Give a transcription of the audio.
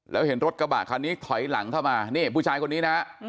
แล้วเห็นรถกระบะคันนี้ถอยหลังเข้ามานี่ผู้ชายคนนี้นะฮะ